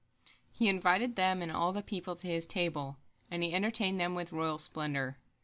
He invited them and all the people to his table, and he entertained them with royal splendor.